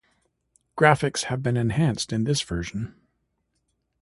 Graphics have been enhanced in this version.